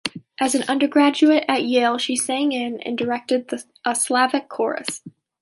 As an undergraduate at Yale, she sang in and directed a Slavic chorus.